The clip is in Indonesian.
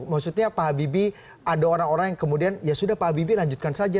maksudnya pak habibie ada orang orang yang kemudian ya sudah pak habibie lanjutkan saja